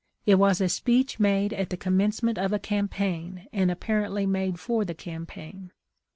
It was a speech made at the com mencement of a campaign, and apparently made for the campaign.